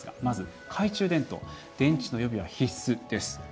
まず懐中電灯電池の予備は必須です。